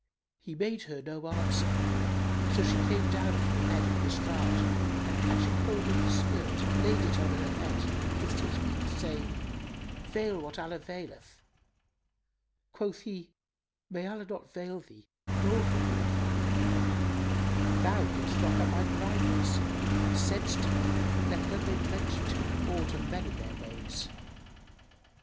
He made her no answer: so she came down from the bed on the estrade; and catching hold of his skirt laid it on her head and kissed his feet, saying, "Veil what Allah veileth!" Quoth he, "May Allah not veil thee nor him who would veil thee! Thou didst knock out my grinders and saidst to me, 'Let none make mention to me aught of men and their ways!